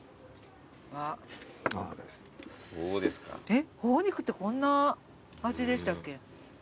えっ頬肉ってこんな味でしたっけ？